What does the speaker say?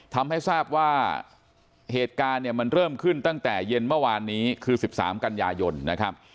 ทำให้ทราบว่าเหตุการณ์เนี่ยมันเริ่มขึ้นตั้งแต่เย็นเมื่อวานนี้คือ๑๓กันยายนนะครับ